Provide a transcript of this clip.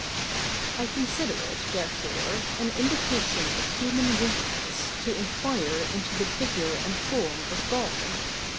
I consider it, therefore, an indication of human weakness to inquire into the figure and form of God.